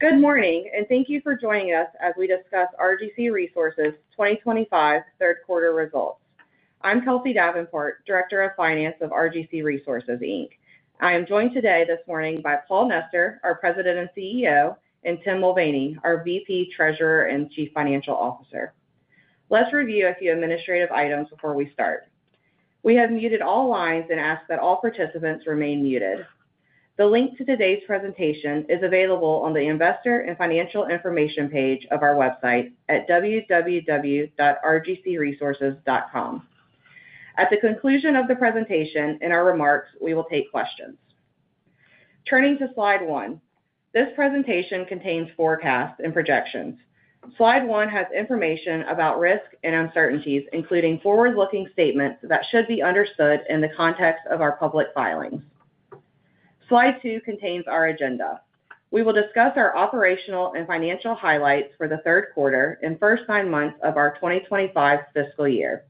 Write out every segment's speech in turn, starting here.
Good morning and thank you for joining us as we discuss RGC Resources 2025 Third Quarter Results. I'm Kelsie Davenport, Director of Finance of RGC Resources Inc. I am joined today by Paul Nester, our President and CEO, and Tim Mulvaney, our VP, Treasurer, and Chief Financial Officer. Let's review a few administrative items before we start. We have muted all lines and ask that all participants remain muted. The link to today's presentation is available on the Investor and Financial Information page of our website at www.rgcresources.com. At the conclusion of the presentation and our remarks, we will take questions. Turning to slide one, this presentation contains forecasts and projections. Slide one has information about risk and uncertainties, including forward-looking statements that should be understood in the context of our public filing. Slide two contains our agenda. We will discuss our operational and financial highlights for the third quarter and first nine months of our 2025 fiscal year.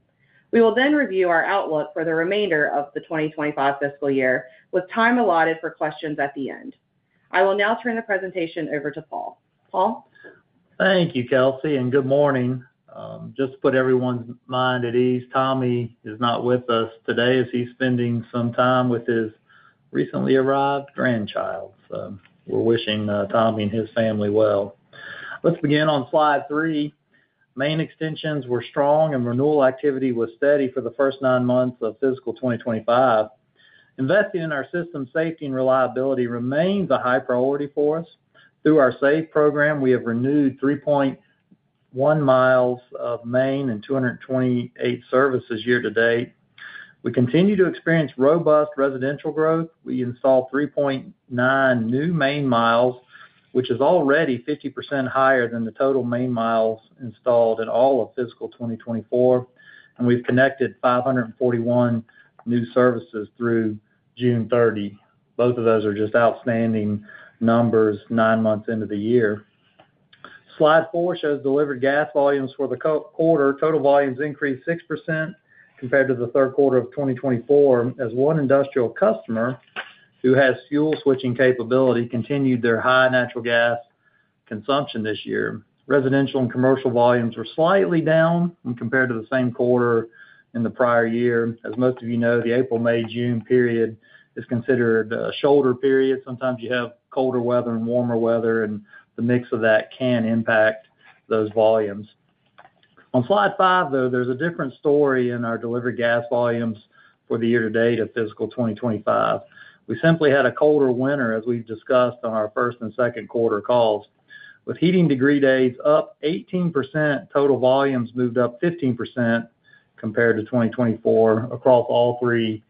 We will then review our outlook for the remainder of the 2025 fiscal year with time allotted for questions at the end. I will now turn the presentation over to Paul. Paul? Thank you, Kelsie, and good morning. Just to put everyone's mind at ease, Tommy is not with us today as he's spending some time with his recently arrived grandchild. We're wishing Tommy and his family well. Let's begin on slide three. Main extensions were strong and renewal activity was steady for the first nine months of fiscal 2025. Investing in our system safety and reliability remains a high priority for us. Through our SAFE program, we have renewed 3.1 mi of main and 228 services year to date. We continue to experience robust residential growth. We installed 3.9 new main miles, which is already 50% higher than the total main miles installed in all of fiscal 2024. We've connected 541 new services through June 30. Both of those are just outstanding numbers nine months into the year. Slide four shows delivered gas volumes for the quarter. Total volumes increased 6% compared to the third quarter of 2024 as one industrial customer who has fuel switching capability continued their high natural gas consumption this year. Residential and commercial volumes were slightly down when compared to the same quarter in the prior year. As most of you know, the April, May, June period is considered a shoulder period. Sometimes you have colder weather and warmer weather, and the mix of that can impact those volumes. On slide five, though, there's a different story in our delivered gas volumes for the year to date of fiscal 2025. We simply had a colder winter as we've discussed on our first and second quarter calls. With heating degree days up 18%, total volumes moved up 15% compared to 2024 across all three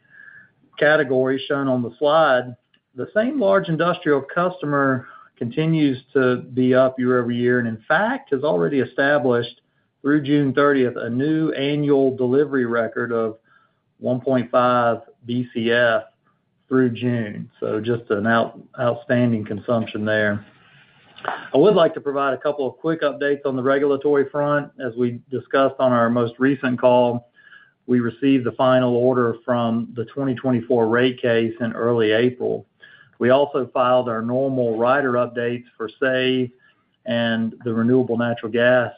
categories shown on the slide. The same large industrial customer continues to be up year-over-year and, in fact, has already established through June 30th a new annual delivery record of 1.5 BCF through June. Just an outstanding consumption there. I would like to provide a couple of quick updates on the regulatory front. As we discussed on our most recent call, we received the final order from the 2024 rate case in early April. We also filed our normal rider updates for SAFE and the renewable natural gas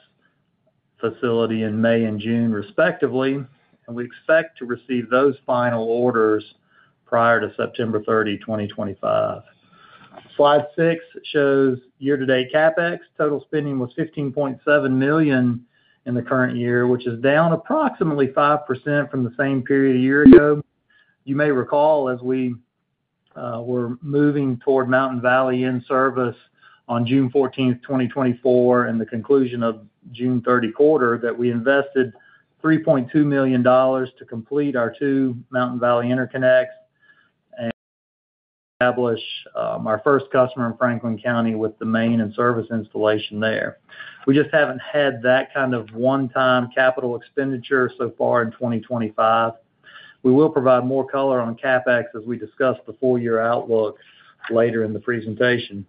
facility in May and June, respectively. We expect to receive those final orders prior to September 30th, 2025. Slide six shows year-to-date CapEx. Total spending was $15.7 million in the current year, which is down approximately 5% from the same period a year ago. You may recall as we were moving toward Mountain Valley in-service on June 14th, 2024, and the conclusion of the June 30th quarter that we invested $3.2 million to complete our two Mountain Valley interconnects and establish our first customer in Franklin County with the main and service installation there. We just haven't had that kind of one-time capital expenditure so far in 2025. We will provide more color on CapEx as we discuss the four-year outlook later in the presentation.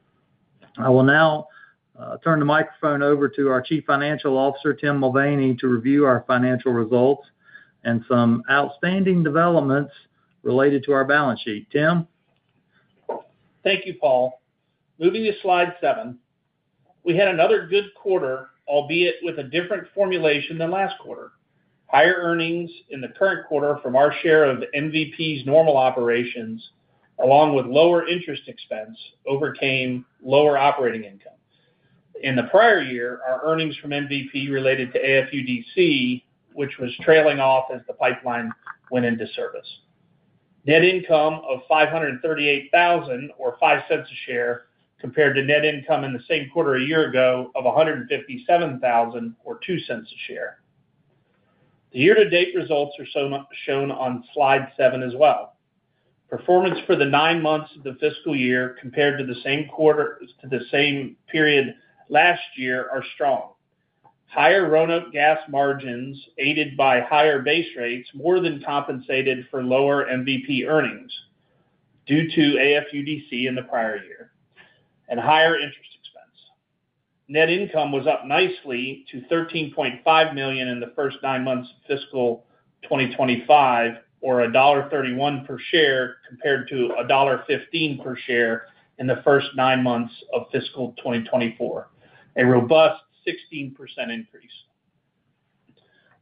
I will now turn the microphone over to our Chief Financial Officer, Tim Mulvaney, to review our financial results and some outstanding developments related to our balance sheet. Tim? Thank you, Paul. Moving to slide seven, we had another good quarter, albeit with a different formulation than last quarter. Higher earnings in the current quarter from our share of MVP's normal operations, along with lower interest expense, overcame lower operating income. In the prior year, our earnings from MVP related to AFUDC, which was trailing off as the pipeline went into service. Net income of $538,000 or $0.05 a share compared to net income in the same quarter a year ago of $157,000 or $0.02 a share. The year-to-date results are shown on slide seven as well. Performance for the nine months of the fiscal year compared to the same period last year are strong. Higher Roanoke Gas margins aided by higher base rates more than compensated for lower MVP earnings due to AFUDC in the prior year and higher interest expense. Net income was up nicely to $13.5 million in the first nine months of fiscal 2025, or $1.31 per share compared to $1.15 per share in the first nine months of fiscal 2024. A robust 16% increase.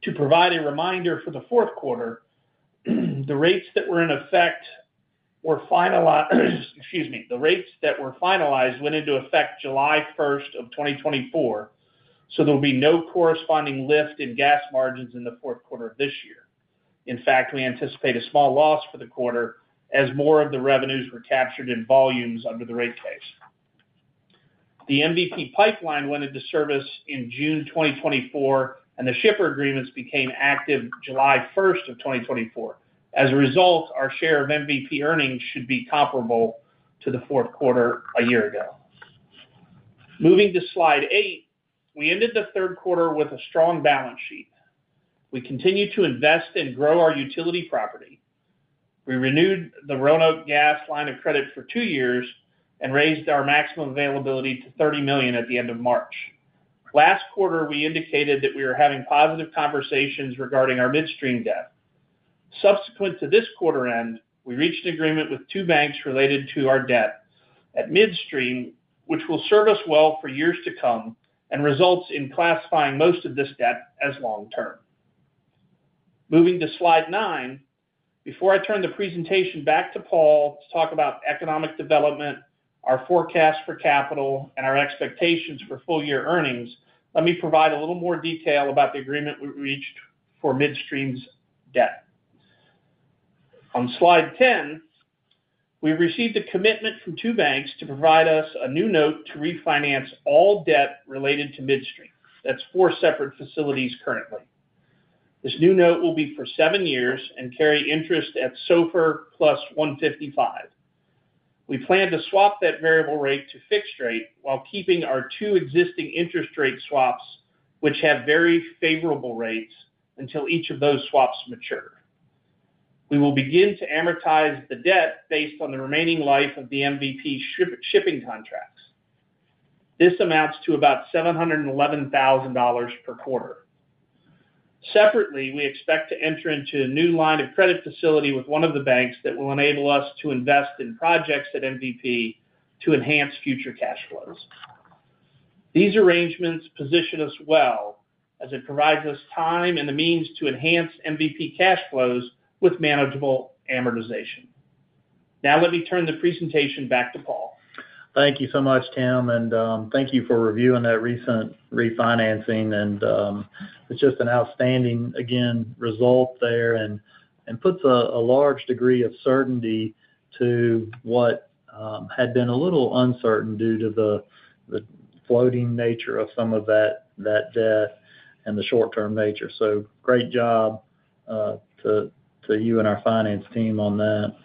To provide a reminder for the fourth quarter, the rates that were finalized went into effect July 1st, 2024. There will be no corresponding lift in gas margins in the fourth quarter of this year. In fact, we anticipate a small loss for the quarter as more of the revenues were captured in volumes under the rate case. The MVP pipeline went into service in June 2024, and the shipper agreements became active July 1st, 2024. As a result, our share of MVP earnings should be comparable to the fourth quarter a year ago. Moving to slide eight, we ended the third quarter with a strong balance sheet. We continue to invest and grow our utility property. We renewed the Roanoke Gas line of credit for two years and raised our maximum availability to $30 million at the end of March. Last quarter, we indicated that we were having positive conversations regarding our midstream debt. Subsequent to this quarter end, we reached an agreement with two banks related to our debt at midstream, which will serve us well for years to come and results in classifying most of this debt as long-term. Moving to slide nine, before I turn the presentation back to Paul to talk about economic development, our forecast for capital, and our expectations for full-year earnings, let me provide a little more detail about the agreement we reached for midstream's debt. On slide 10, we received a commitment from two banks to provide us a new note to refinance all debt related to midstream. That's four separate facilities currently. This new note will be for seven years and carry interest at SOFR plus 155 basis points. We plan to swap that variable rate to fixed rate while keeping our two existing interest rate swaps, which have very favorable rates, until each of those swaps mature. We will begin to amortize the debt based on the remaining life of the MVP shipping contracts. This amounts to about $711,000 per quarter. Separately, we expect to enter into a new line of credit facility with one of the banks that will enable us to invest in projects at MVP to enhance future cash flows. These arrangements position us well as it provides us time and the means to enhance MVP cash flows with manageable amortization. Now, let me turn the presentation back to Paul. Thank you so much, Tim, and thank you for reviewing that recent refinancing. It's just an outstanding, again, result there and puts a large degree of certainty to what had been a little uncertain due to the floating nature of some of that debt and the short-term nature. Great job to you and our finance team on that.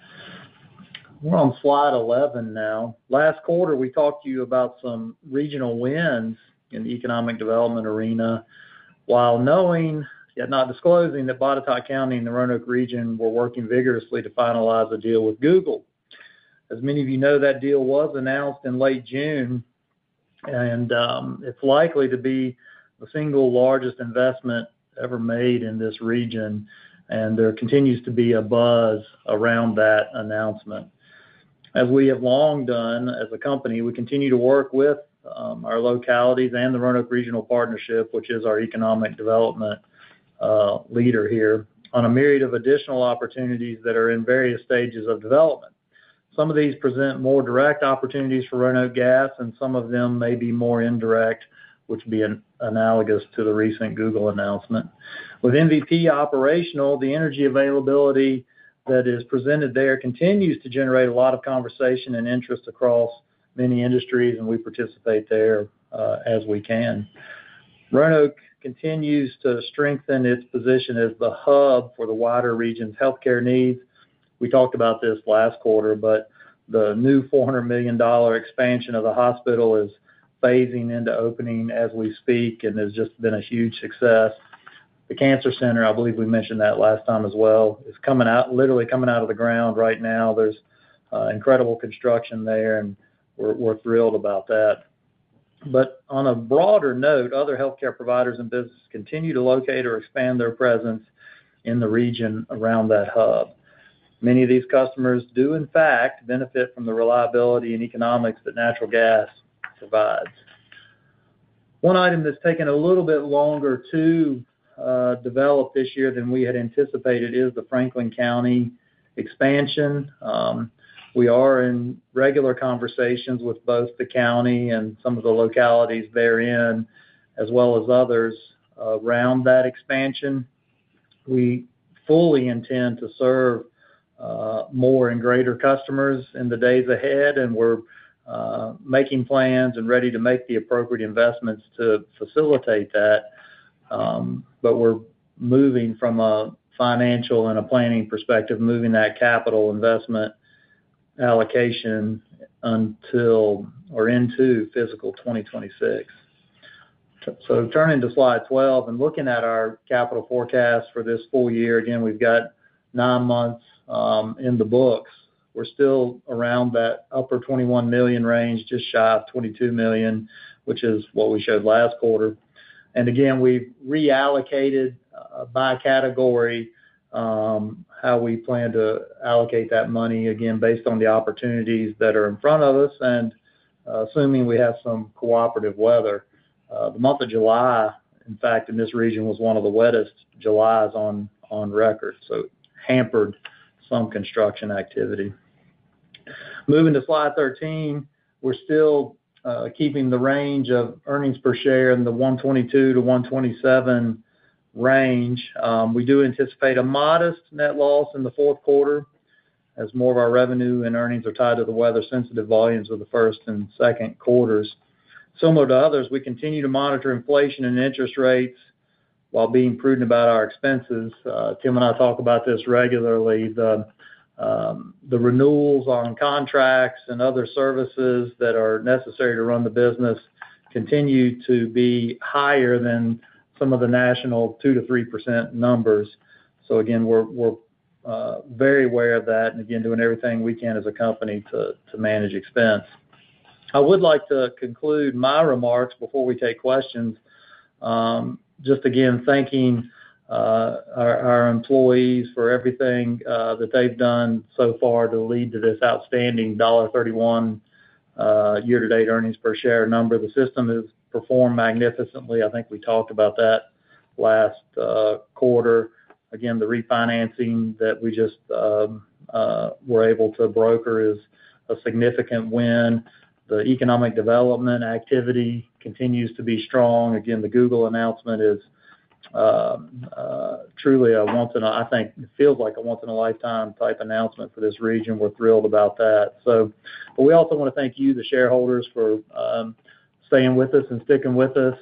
We're on slide 11 now. Last quarter, we talked to you about some regional wins in the economic development arena while knowing, yet not disclosing, that Botetourt County and the Roanoke region were working vigorously to finalize a deal with Google. As many of you know, that deal was announced in late June, and it's likely to be the single largest investment ever made in this region. There continues to be a buzz around that announcement. As we have long done as a company, we continue to work with our localities and the Roanoke Regional Partnership, which is our economic development leader here, on a myriad of additional opportunities that are in various stages of development. Some of these present more direct opportunities for Roanoke Gas, and some of them may be more indirect, which would be analogous to the recent Google announcement. With MVP operational, the energy availability that is presented there continues to generate a lot of conversation and interest across many industries, and we participate there as we can. Roanoke continues to strengthen its position as the hub for the wider region's healthcare needs. We talked about this last quarter, but the new $400 million expansion of the hospital is phasing into opening as we speak, and it's just been a huge success. The cancer center, I believe we mentioned that last time as well, is coming out, literally coming out of the ground right now. There's incredible construction there, and we're thrilled about that. On a broader note, other healthcare providers and businesses continue to locate or expand their presence in the region around that hub. Many of these customers do, in fact, benefit from the reliability and economics that natural gas provides. One item that's taken a little bit longer to develop this year than we had anticipated is the Franklin County expansion. We are in regular conversations with both the county and some of the localities therein, as well as others around that expansion. We fully intend to serve more and greater customers in the days ahead, and we're making plans and ready to make the appropriate investments to facilitate that. We're moving from a financial and a planning perspective, moving that capital investment allocation until or into fiscal 2026. Turning to slide 12 and looking at our capital forecast for this full year, we've got nine months in the books. We're still around that upper $21 million range, just shy of $22 million, which is what we showed last quarter. We've reallocated by category how we plan to allocate that money, based on the opportunities that are in front of us. Assuming we have some cooperative weather, the month of July, in fact, in this region was one of the wettest Julys on record. It hampered some construction activity. Moving to slide 13, we're still keeping the range of earnings per share in the $1.22-$1.27 range. We do anticipate a modest net loss in the fourth quarter as more of our revenue and earnings are tied to the weather-sensitive volumes of the first and second quarters. Similar to others, we continue to monitor inflation and interest rates while being prudent about our expenses. Tim and I talk about this regularly. The renewals on contracts and other services that are necessary to run the business continue to be higher than some of the national 2%-3% numbers. We're very aware of that and doing everything we can as a company to manage expense. I would like to conclude my remarks before we take questions. Thanking our employees for everything that they've done so far to lead to this outstanding $1.31 year-to-date earnings per share number. The system has performed magnificently. I think we talked about that last quarter. The refinancing that we just were able to broker is a significant win. The economic development activity continues to be strong. The Google announcement is truly a once in a, I think, it feels like a once-in-a-lifetime type announcement for this region. We're thrilled about that. We also want to thank you, the shareholders, for staying with us and sticking with us,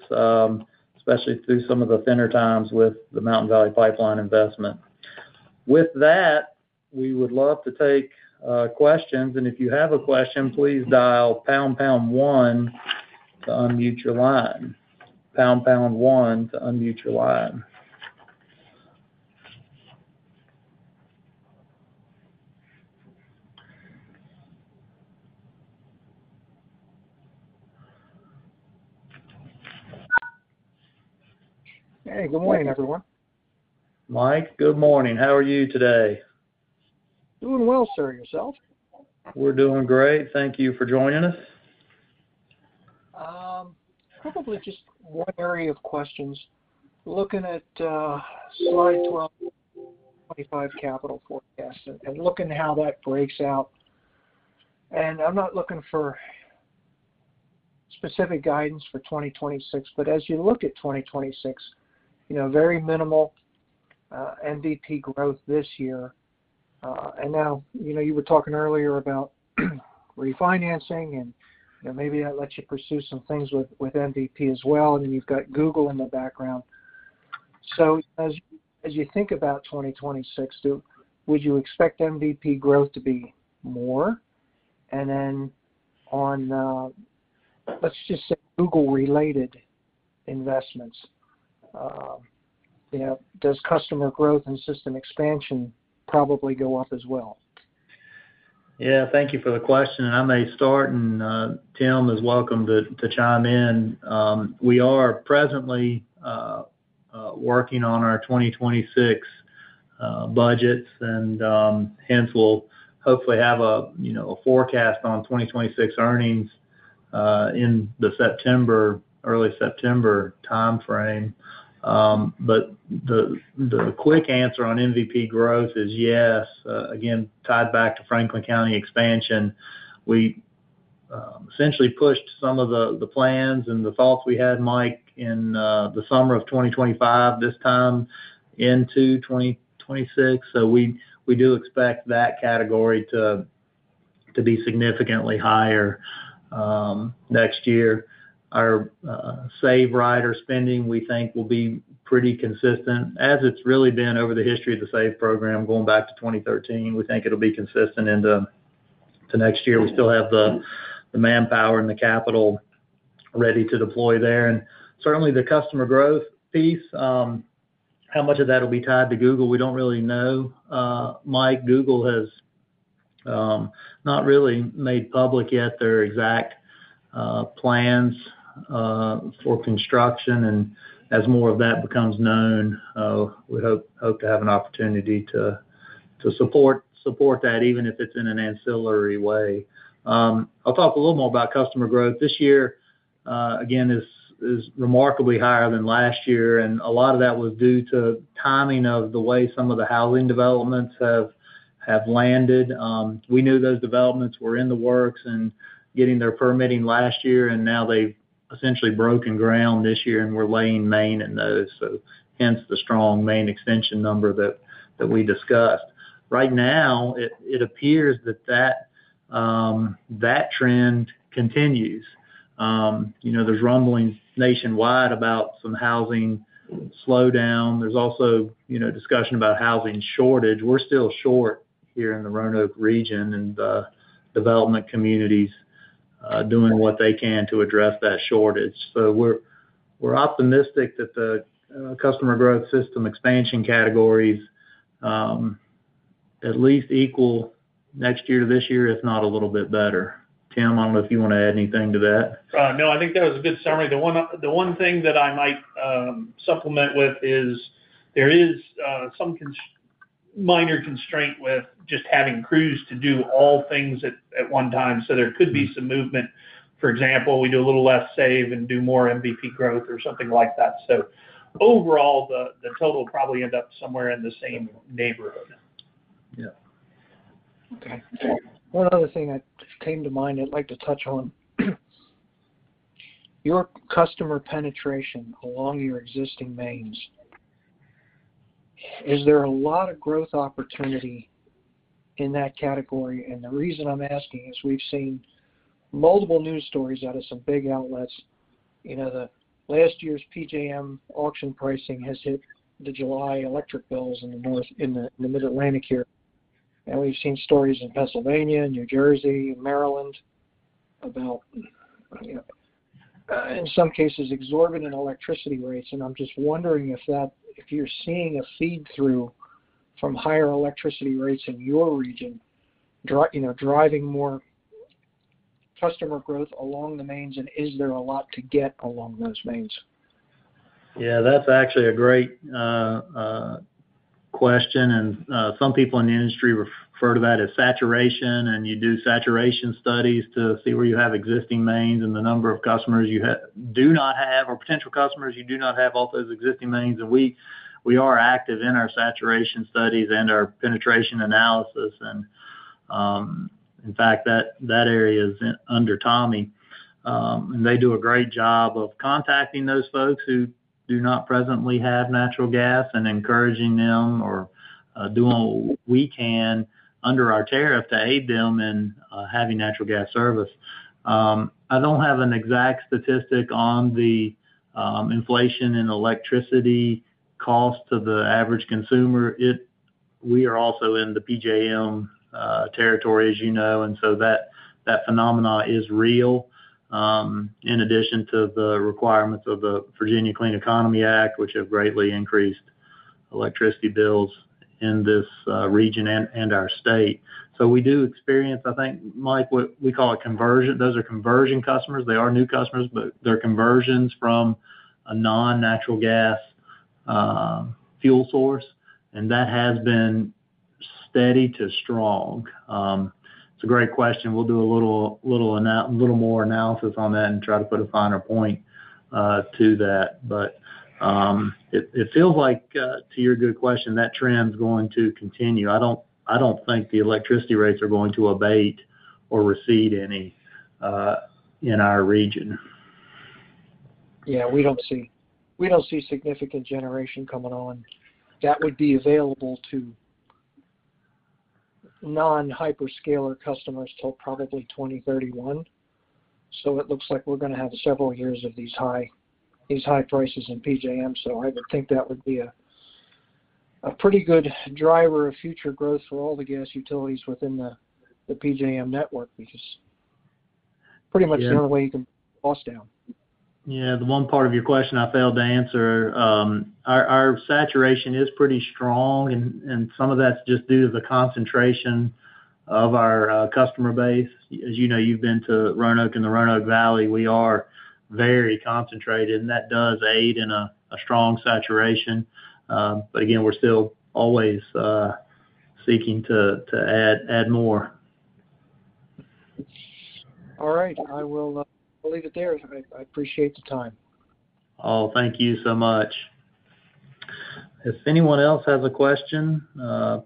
especially through some of the thinner times with the Mountain Valley Pipeline investment. With that, we would love to take questions. If you have a question, please dial pound, pound one to unmute your line. Pound, pound one to unmute your line. Hey, good morning, everyone. Mike, good morning. How are you today? Doing well, sir. Yourself? We're doing great. Thank you for joining us. Probably just one area of questions. We're looking at slide 12, 2025 capital forecast, and looking at how that breaks out. I'm not looking for specific guidance for 2026, but as you look at 2026, you know, very minimal MVP growth this year. You were talking earlier about refinancing, and maybe that lets you pursue some things with MVP as well. You've got Google in the background. As you think about 2026, would you expect MVP growth to be more? On Google-related investments, does customer growth and system expansion probably go up as well? Thank you for the question. I may start, and Tim is welcome to chime in. We are presently working on our 2026 budgets, and hence, we'll hopefully have a forecast on 2026 earnings in the early September timeframe. The quick answer on MVP growth is yes. Again, tied back to Franklin County expansion, we essentially pushed some of the plans and the thoughts we had, Mike, in the summer of 2025, this time into 2026. We do expect that category to be significantly higher next year. Our SAFE rider spending, we think, will be pretty consistent, as it's really been over the history of the SAFE program going back to 2013. We think it'll be consistent into next year. We still have the manpower and the capital ready to deploy there. Certainly, the customer growth piece, how much of that will be tied to Google, we don't really know. Mike, Google has not really made public yet their exact plans for construction. As more of that becomes known, we hope to have an opportunity to support that, even if it's in an ancillary way. I'll talk a little more about customer growth. This year, again, is remarkably higher than last year, and a lot of that was due to timing of the way some of the housing developments have landed. We knew those developments were in the works and getting their permitting last year, and now they've essentially broken ground this year, and we're laying main in those. Hence the strong main extension number that we discussed. Right now, it appears that that trend continues. There are rumblings nationwide about some housing slowdown. There is also discussion about housing shortage. We're still short here in the Roanoke region and the development communities are doing what they can to address that shortage. We're optimistic that the customer growth system expansion categories are at least equal next year to this year, if not a little bit better. Tim, I don't know if you want to add anything to that. No, I think that was a good summary. The one thing that I might supplement with is there is some minor constraint with just having crews to do all things at one time. There could be some movement. For example, we do a little less SAFE and do more MVP growth or something like that. Overall, the total will probably end up somewhere in the same neighborhood. Yeah. Okay. One other thing that came to mind I'd like to touch on. Your customer penetration along your existing mains, is there a lot of growth opportunity in that category? The reason I'm asking is we've seen multiple news stories out of some big outlets. Last year's PJM auction pricing has hit the July electric bills in the North in the Mid-Atlantic here. We've seen stories in Pennsylvania, New Jersey, and Maryland about, in some cases, exorbitant electricity rates. I'm just wondering if that, if you're seeing a feed-through from higher electricity rates in your region driving more customer growth along the mains, and is there a lot to get along those mains? Yeah, that's actually a great question. Some people in the industry refer to that as saturation, and you do saturation studies to see where you have existing mains and the number of customers you do not have or potential customers you do not have off those existing mains. We are active in our saturation studies and our penetration analysis. In fact, that area is under Tommy Oliver, and they do a great job of contacting those folks who do not presently have natural gas and encouraging them or doing what we can under our tariff to aid them in having natural gas service. I don't have an exact statistic on the inflation and electricity cost to the average consumer. We are also in the PJM territory, as you know, and that phenomena is real, in addition to the requirements of the Virginia Clean Economy Act, which have greatly increased electricity bills in this region and our state. We do experience, I think, Mike, what we call a conversion. Those are conversion customers. They are new customers, but they're conversions from a non-natural gas fuel source, and that has been steady to strong. It's a great question. We'll do a little more analysis on that and try to put a finer point to that. It feels like, to your good question, that trend is going to continue. I don't think the electricity rates are going to abate or recede any in our region. Yeah, we don't see significant generation coming on that would be available to non-hyperscaler customers till probably 2031. It looks like we're going to have several years of these high prices in PJM. I would think that would be a pretty good driver of future growth for all the gas utilities within the PJM network because pretty much the only way you can get cost down. Yeah, the one part of your question I failed to answer. Our saturation is pretty strong, and some of that's just due to the concentration of our customer base. As you know, you've been to Roanoke and the Roanoke region. We are very concentrated, and that does aid in a strong saturation. Again, we're still always seeking to add more. All right, I will leave it there. I appreciate the time. Oh, thank you so much. If anyone else has a question,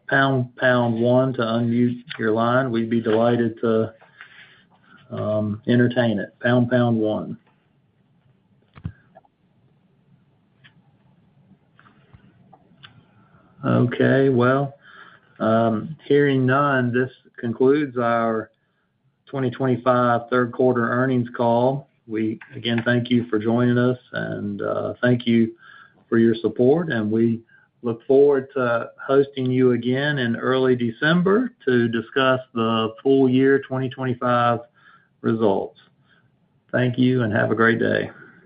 pound, pound one to unmute your line, we'd be delighted to entertain it. Pound, pound one. Hearing none, this concludes our 2025 Third Quarter Earnings Call. We, again, thank you for joining us, and thank you for your support. We look forward to hosting you again in early December to discuss the full-year 2025 results. Thank you and have a great day.